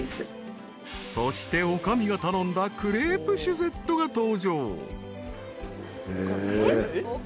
［そして女将が頼んだクレープシュゼットが登場］